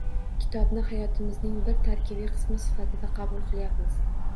Kitobni hayotimizning bir tarkibiy qismi sifatida qabul qilyapmiz.